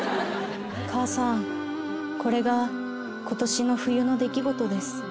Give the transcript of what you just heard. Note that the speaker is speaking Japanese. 母さんこれが今年の冬の出来事です